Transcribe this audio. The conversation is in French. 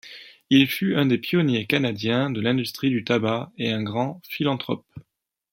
Il fut un des pionniers canadiens de l'industrie du tabac et un grand philanthrope.